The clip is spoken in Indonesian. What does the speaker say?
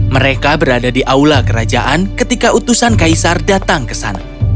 mereka berada di aula kerajaan ketika utusan kaisar datang ke sana